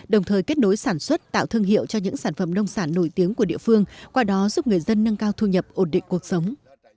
đồng thời kết nối sản xuất tạo thương hiệu cho những sản phẩm nông sản nổi tiếng của địa phương qua đó giúp người dân nâng cao thu nhập ổn định cuộc sống